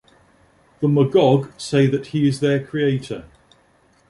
The Magog say that he is their creator.